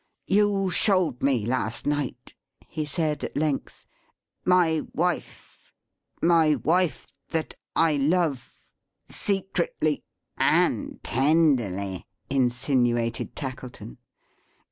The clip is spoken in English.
"You showed me last night," he said at length, "my wife; my wife that I love; secretly " "And tenderly," insinuated Tackleton.